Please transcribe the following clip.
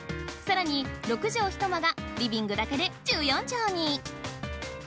さらに、６畳一間がリビングだけで１４畳に。